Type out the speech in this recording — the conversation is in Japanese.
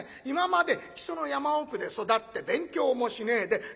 今まで木曽の山奥で育って勉強もしねえで